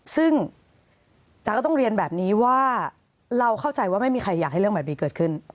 ซึ่งแต่ก็ต้องเรียนแบบนี้ว่าเราเข้าใจว่าไม่มีใครอยากให้เรื่องแบบนี้เกิดขึ้น